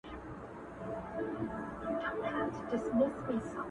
o تر چړې ئې لاستی دروند سو.